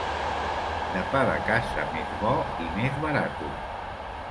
De pa de casa més bo i més barato.